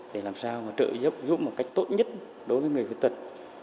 để làm sao mà trợ giúp giúp một cách tốt nhất đối với người khuyết tật